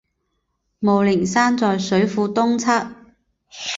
雾灵山在水库东侧。